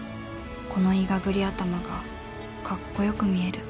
このいがぐり頭がかっこよく見える